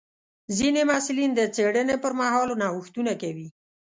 ځینې محصلین د څېړنې پر مهال نوښتونه کوي.